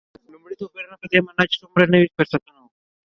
لومړ توپیرونه په دې معنا چې څومره نوي فرصتونه و.